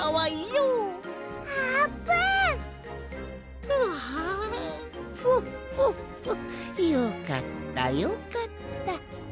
よかったよかった。